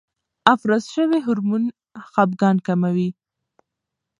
افراز شوی هورمون خپګان کموي.